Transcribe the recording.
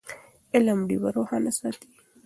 علم ډېوه روښانه ساتي.